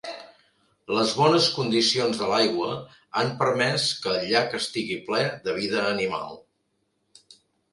Les bones condicions de l'aigua han permès que el llac estigui ple de vida animal.